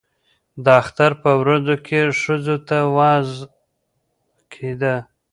د اختر په ورځو کې ښځو ته وعظ کېده.